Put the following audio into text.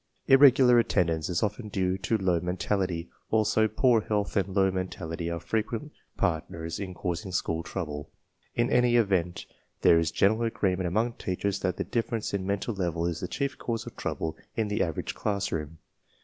Irregular attendance is often due to low men tality; also, poor health and low mentality are frequent partners in causing school trouble. In any event, there is general agreement among teachers that the difference in mental level is the chief cause of trouble in the aver age classroom.